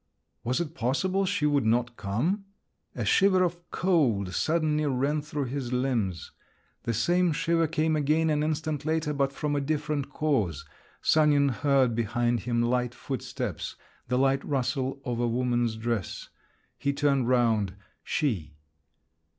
Was it possible she would not come? A shiver of cold suddenly ran through his limbs. The same shiver came again an instant later, but from a different cause. Sanin heard behind him light footsteps, the light rustle of a woman's dress…. He turned round: she!